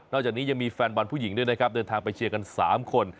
จากนี้ยังมีแฟนบอลผู้หญิงด้วยนะครับเดินทางไปเชียร์กัน๓คน